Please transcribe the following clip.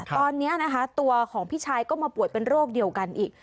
ตอนนี้นะคะตัวของพี่ชายก็มาป่วยเป็นโรคเดียวกันอีก